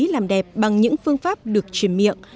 làm đẹp bằng những phương pháp được truyền miệng